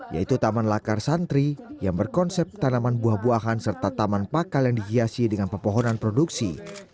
yaitu taman lakar santri yang berkonsep tanaman buah buahan serta taman pakal yang dihiasi dengan pepohonan produksi